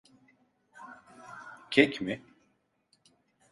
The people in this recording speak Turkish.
Kek mi?